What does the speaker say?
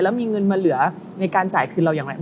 แล้วมีเงินมาเหลือในการจ่ายคืนเราอย่างไร